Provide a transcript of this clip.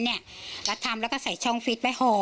เราทำแล้วก็ใส่ช่องฟิตไว้ห่อ